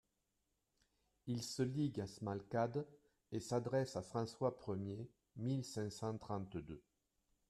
Ils se liguent à Smalkalde et s'adressent à François Ier (mille cinq cent trente-deux).